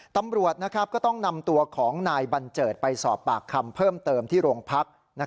ตำรวจก็ต้องนำตัวของนายบัญเจิดไปสอบปากคำเพิ่มเติมที่โรงพัก